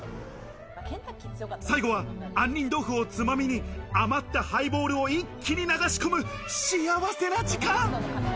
最後は杏仁豆腐をつまみに余ったハイボールを一気に流し込む幸せな時間！